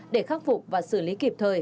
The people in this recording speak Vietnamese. để khắc phục và xử lý kịp thời